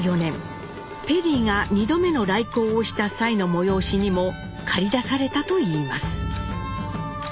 ペリーが２度目の来航をした際の催しにも駆り出されたといいます。